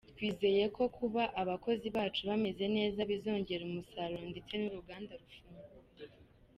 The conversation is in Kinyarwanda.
Twizeye ko kuba abakozi bacu bameze neza bizongera umusaruro ndetse n’uruganda rukunguka.